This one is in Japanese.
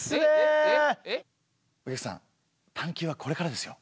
お客さん探究はこれからですよ。